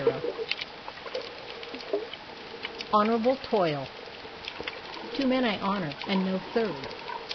Doyle HONOURABLE TOIL Two men I honour, and no third.